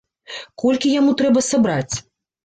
Колькі яму трэба сабраць?